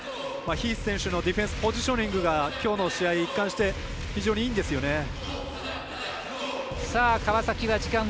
ヒース選手のディフェンスポジショニングがきょうの試合、一貫して非常にいいんですよね。